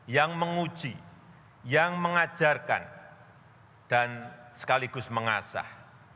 yang menguji yang mengajarkan dan sekaligus mengasah